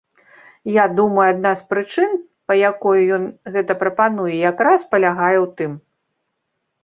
Я думаю, адна з прычын, па якой ён гэта прапануе якраз палягае ў тым.